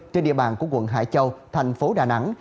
trên địa bàn của quận hải châu thành phố đà nẵng